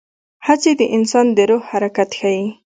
هڅې د انسان د روح حرکت ښيي.